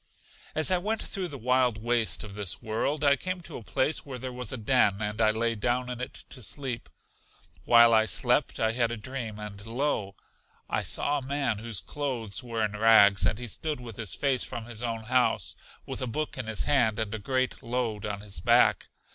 As I went through the wild waste of this world, I came to a place where there was a den, and I lay down in it to sleep. While I slept I had a dream, and lo! I saw a man whose clothes were in rags and he stood with his face from his own house, with a book in his hand, and a great load on his back.